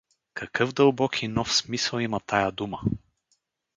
Какъв дълбок и нов смисъл има тая дума.